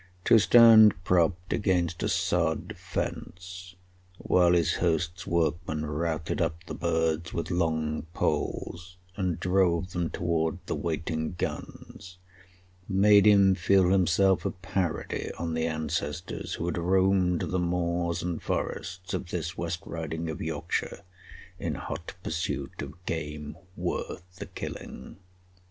To stand propped against a sod fence while his host's workmen routed up the birds with long poles and drove them towards the waiting guns, made him feel himself a parody on the ancestors who had roamed the moors and forests of this West Riding of Yorkshire in hot pursuit of game worth the killing.